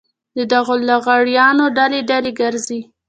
د دغو لغړیانو ډلې ډلې ګرځي.